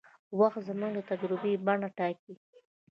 وخت زموږ د تجربې بڼه ټاکي.